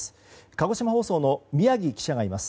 鹿児島放送の宮城記者がいます。